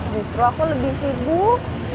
justru aku lebih sibuk